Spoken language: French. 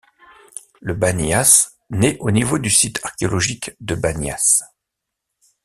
Le Baniyas nait au niveau du site archéologique de Baniyas.